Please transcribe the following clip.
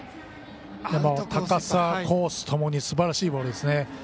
高さ、コースともにすばらしいボールですね。